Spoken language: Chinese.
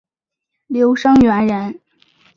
刘声元人。